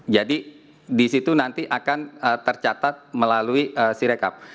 jadi di situ nanti akan tercatat melalui si rekap